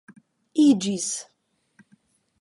iĝis